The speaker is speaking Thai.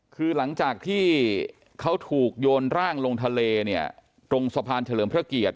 คือหลังจากที่เขาถูกโยนร่างลงทะเลเนี่ยตรงสะพานเฉลิมพระเกียรติ